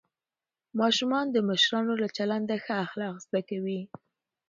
ماشومان د مشرانو له چلنده ښه اخلاق زده کوي